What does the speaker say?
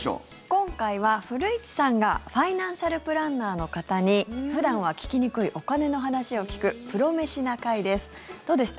今回は古市さんがファイナンシャルプランナーの方に普段は聞きにくいお金の話を聞く「プロメシな会」です。